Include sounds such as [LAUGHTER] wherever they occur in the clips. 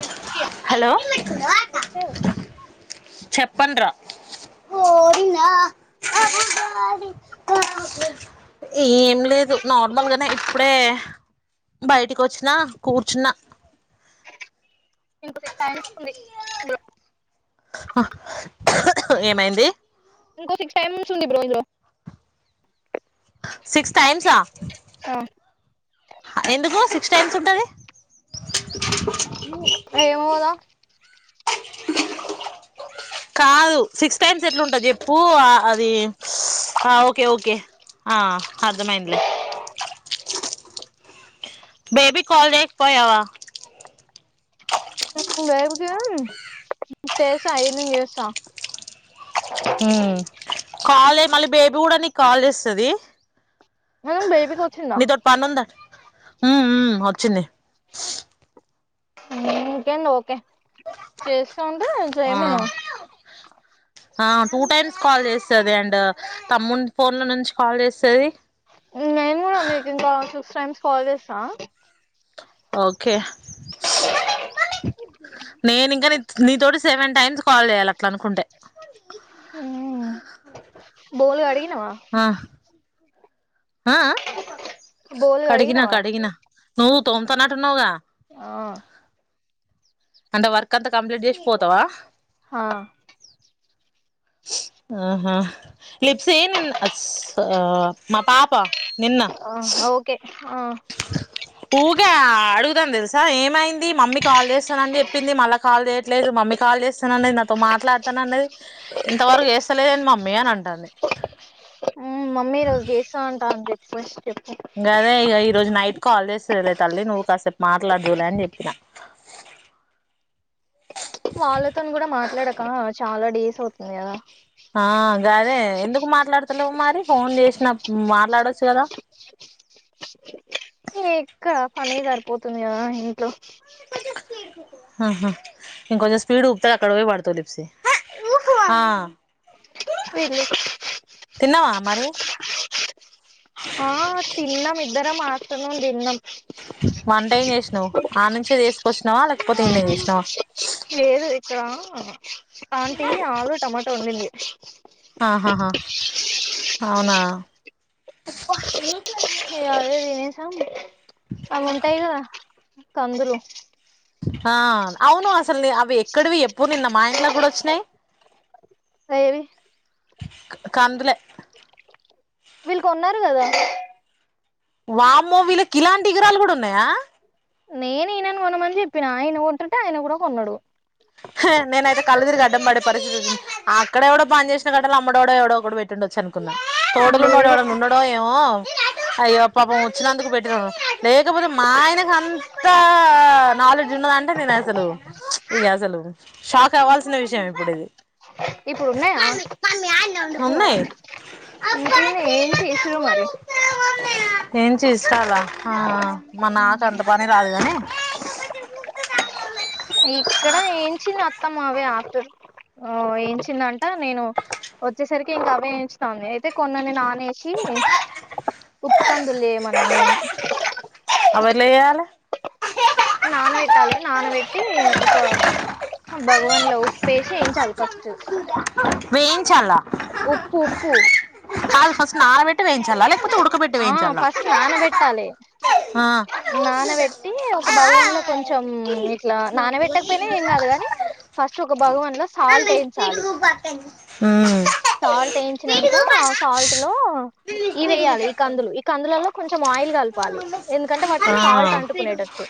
ప్లస్కి hello చెప్పండ్ రా ఏం జేస్తా ఏం లేదు నార్మల్ గానే ఇప్పుడే బయటికొచ్చినా కూర్చున్న [UNINTELLIGIBLE] ఏమైంది ఇంకో సిక్స్ టైమింగ్ వుంది బ్రో ఇందులో సిక్స్ టైమ్సా ఎందుకు సిక్స్ టైమ్స్ వంటది ఉ ఏమో దా కాదు సిక్స్ టైమ్స్ ఎట్లుంటాంది జెప్పు ఆ అది ఆ ఓకే ఓకే ఆ అర్థమైందిలే. Baby call చెయ్యకపోయావా? వైబుకి చేసా ఈవెనింగ్ చేస్సా మ్ కాల్ చెయ్ మళ్ళీ బేబీ కూడా నీకు కాల్ చేస్తది. మనం బేబీకి వచ్చిందా నీతోట్ పన్నుంద ఉమ్ ఉమ్ వచ్చింది. మ్ ఓకే అండి ఓకే చేస్ సౌండ్ ఆ జయమును. ఆ టూ టైమ్స్ కాల్ చేస్తది. అండ్ తమ్మున్ ఫోన్ల నుంచి కాల్ చేస్తది. నేను కూడా మీకు ఇంకా సిక్స్ టైమ్స్ కాల్ చేస్తా ఓకే నేను ఇంకా నీ నీతోటి సెవెన్ టైమ్స్ కాల్ చేయాలి అట్లా అనుకుంటే ఉమ్ బోలు గడిగినవా? ఆ ఆ ఆ బోలు కడిగిన కడిగినవా కడిగిన నువ్వు తోంత నట్టున్నావ్ గా ఆ అంటే వర్క్ అంతా కంప్లీట్ జేసి పోతవా? హా ఆహా లిప్సి నిన్న అస్ ఆ మా పాప నిన్న ఓకే ఆ ఊగే అడుగుతాం దెల్సా ఏమైంది మమ్మీక్ కాల్ చేస్తానని చెప్పింది. మళ్ళా కాల్ చేయట్లేదు, మమ్మీ కాల్ చేస్తానన్నది నాతో మాట్లాడతానన్నది. ఇంతవరకు ఏస్తలేదేంది మమ్మీ అని అంటాంది. ఉమ్ మమ్మీ ఈరోజు గేస్తా అంటాంది ఫస్ గదే ఇక ఈరోజు నైట్ కాల్ చేస్తలే తల్లి నువ్వు కాసేపు మాట్లాడ్ జూలే అని చెప్పిన వాళ్ళతో కూడా మాట్లాడక చాలా డేస్ ఔతుంది గదా? ఆ గదే ఎందుకు మాట్లాడతలేవు మరి ఫోన్ చేసిన మాట్లాడొచ్చు కదా ఎక్క పని సరిపోతుంది కదా ఇట్లో ఆహ ఇంకొంచెం స్పీడ్ ఊపితే అక్కడ పోయిపడతది లిప్సి ఆ వీళ్ళు తిన్నావా మరి? ఆ తిన్నం ఇద్దరం ఆఫ్టర్నూన్ తిన్నం. కొష్నావా లేకపోతే ఈడ్నే చేసినావా? లేదు ఇక్కడ ఆంటీ ఆలు టమాటా వండింది. ఆహాహా అవునా! ఇక అవే తినేసాం అవి ఉంటాయి కదా కందురు ఆ అవును అసలు అవి ఎక్కడివి ఎప్పుడు నిన్న మా ఇంట్లో కూడా వచ్చినాయి. ఏవి కందులే వీళ్ కొన్నారు కదా? వామో వీళ్ళకి ఇలాంటి గిరాలు కూడా ఉన్నాయా? నేను ఈయనను కొనమని చెప్పిన ఆయన కొంటుంటే ఆయన కూడా కొన్నాడు. హె నేనైతే కళ్ళుతిరిగి అడ్డం పడే పరిస్థితి అక్కడే ఎవడో పంచేసిన కడల అమ్మడోడు ఎవడో ఒకడు పెట్టిండచ్చు అని కున్నా తోడలున్నోడెవడన్నాడో ఏమో ఆ అయ్యో పాపం వచ్చినందుకు పెట్టిన లేకపోతే మా ఆయనకు అంత నాలెడ్జ్ ఉన్నదా అంటే నేనసలు ఇగ అసలు షాక్ అవ్వాల్షిన విషయం ఇప్పుడు ఇది ఇప్పుడు ఉన్నాయా? ఉన్నాయ్. ఉంటేనే ఏంచి ఇసురు మరి ఏం చేస్తాల ఆ మా నాకు అంత పని రాదు కాని బె జాల ఇక్కడ ఏంచంది అత్తమ్మావే ఆతులు ఆ ఏంచిందంట నేను వచ్చేసరికి ఇంకా అవేయించుతాంది అయితే కొన్నిన్ని నానేేసి ఉప్పు కందులుమన్నా నేను అలాల నానబెట్టాలి నానబెట్టి ఇంకా భగవాన్ లో ఉప్పేసి ఏం చాలు ఫస్ట్ వేయించాల ఉప్పు ఉప్పు అది ఫస్ట్ నానబెట్టి వేయించాల అ ఆ ఫస్ట్ నానబెట్టాలి నానబెట్టి ఒక భగవన్లో కొంచెం ఇట్లా నానబెట్టకపోయినా ఏం కాదు కాని ఆ ఫస్ట్ ఒక భగవాన్ లో సాల్ట్ వేయించాలి హమ్ సాల్ట్ వేయించినాక ఆ సాల్ట్ లో ఇ వేయాలి ఈ కందులు ఈ కందులలో కొంచెం ఆయిల్ కలపాలి ఎందుకంటే వాటికి సాల్ట్ అంటుకునేటట్టు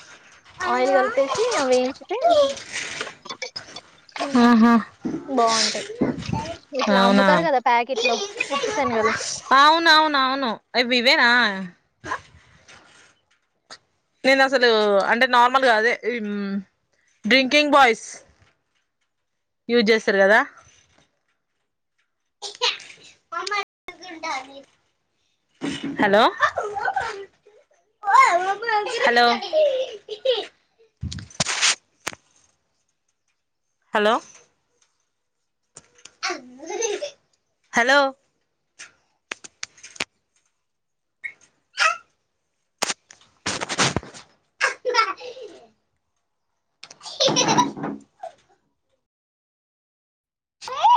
ఆయిల్ కలిపితే పేసి ఏ వేయించట ఆహా బాగుంటాయి ఇట్లా అవునా అమ్ముతారు కదా ప్యాకెట్ లో ఉప్పు శనగలు అవునవునవును అవి ఇవేనా నేను అసలు అంటే నార్మల్గా అదే డ్రింకింగ్ బాయ్స్ యూజ్ చేస్తారు కదా [INAUDIBLE] హలో హలో [INAUDIBLE] హలో హలో [INAUDIBLE] [INAUDIBLE]